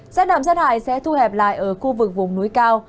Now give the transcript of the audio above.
rết đậm rết hại sẽ thu hẹp lại ở khu vực vùng núi cao